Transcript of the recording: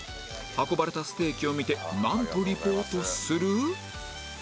運ばれたステーキを見てなんとリポートする？